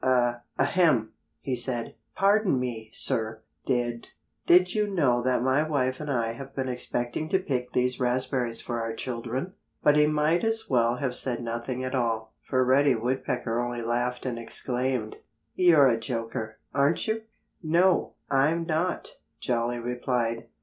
"A ahem!" he said. "Pardon me, sir! Did—did you know that my wife and I have been expecting to pick these raspberries for our children?" But he might as well have said nothing at all. For Reddy Woodpecker only laughed and exclaimed, "You're a joker, aren't you?" "No, I'm not," Jolly replied.